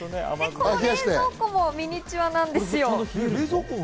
この冷蔵庫もミニチュアなんですよ。